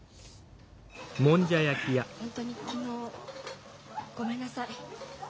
ホントに昨日ごめんなさい。